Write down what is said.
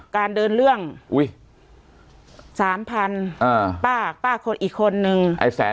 การเดินเรื่องอุ้ยสามพันอ่าป้าป้าคนอีกคนนึงไอ้แสน